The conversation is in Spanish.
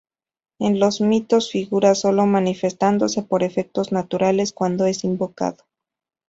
En los mitos, figura sólo manifestándose por efectos naturales cuando es invocado.